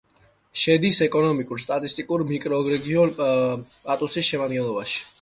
შედის ეკონომიკურ-სტატისტიკურ მიკრორეგიონ პატუსის შემადგენლობაში.